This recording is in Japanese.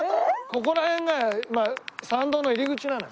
ここら辺が山道の入り口なのよ。